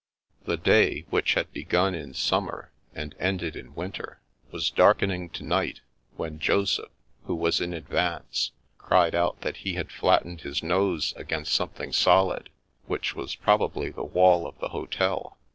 The day, which had begun in summer and ended in winter, was darkening to night when Joseph, who was in advance, cried out that he had flattened his nose against something solid, which was probably the wall of the hotel.